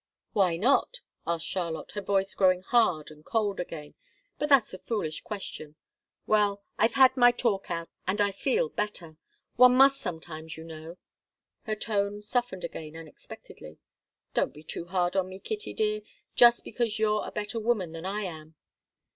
"Why not?" asked Charlotte, her voice growing hard and cold again. "But that's a foolish question. Well I've had my talk out and I feel better. One must sometimes, you know." Her tone softened again, unexpectedly. "Don't be too hard on me, Kitty dear just because you're a better woman than I am."